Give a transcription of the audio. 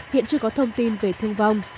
hiện chưa có thông tin về thương vong